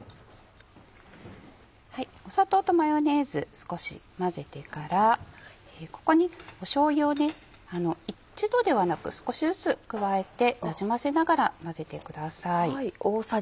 砂糖とマヨネーズ少し混ぜてからここにしょうゆを一度ではなく少しずつ加えてなじませながら混ぜてください。